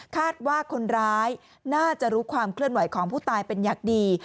คาดว่าคนร้ายน่าจะรู้ความเคลื่อนไหวของผู้ตายเป็นอย่างดี